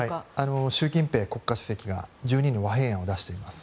習近平国家主席が１２の和平案を出しています。